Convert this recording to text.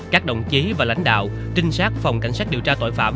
các đồng chí và lãnh đạo trinh sát phòng cảnh sát điều tra tội phạm